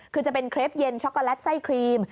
คือจะเป็นเครปเย็นช็อกโกแลตไส้ครีม